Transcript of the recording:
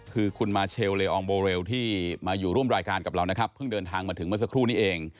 คือคุณมาเชลเลอองโบเรลที่มาอยู่ร่วมรายการกับเรานะครับเพิ่งเดินทางมาถึงเมื่อสักครู่นี้เอง